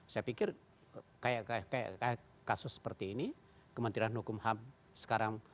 saya pikir kayak kasus seperti ini kementerian hukum ham sekarang